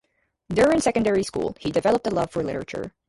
During secondary school, he developed a love for literature.